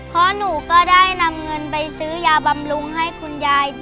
เพราะหนูก็ได้นำเงินไปซื้อยาบำรุงให้คุณยาย